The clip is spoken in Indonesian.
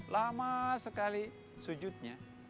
lama sekali sujudnya